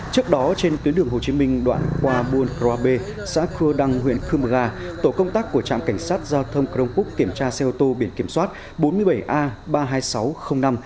trước đó trên tuyến đường hồ chí minh đoạn qua buôn hồ bê xã khưa đăng huyện khương bà gà tổ công tác của trạm cảnh sát giao thông công an tỉnh đắk lắc kiểm tra xe ô tô biển kiểm soát bốn mươi bảy a ba mươi hai nghìn sáu trăm linh năm